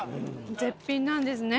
絶品なんですね。